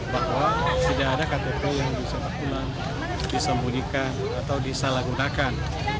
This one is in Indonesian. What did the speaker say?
bahwa tidak ada ktp yang bisa terulang disembunyikan atau disalahgunakan